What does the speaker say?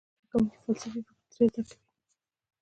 زده کوونکي فلسفي فکر ترې زده کوي.